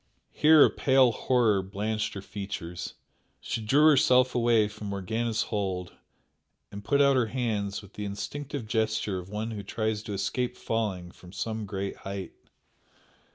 Here a pale horror blanched her features she drew herself away from Morgana's hold and put out her hands with the instinctive gesture of one who tries to escape falling from some great height.